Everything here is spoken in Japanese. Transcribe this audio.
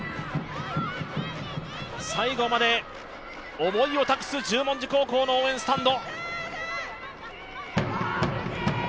最後まで思いを託す十文字高校の応援スタンド。